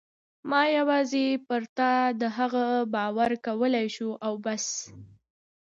ما یوازې پر تا د هغه باور کولای شو او بس.